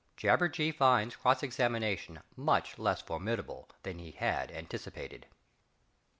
Mr Jabberjee finds cross examination much less formidable than he had anticipated.